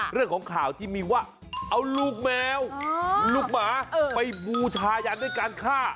เรื่องของข่าวที่มีว่าเอาลูกแมวลูกหมาไปบูชายันด้วยการฆ่า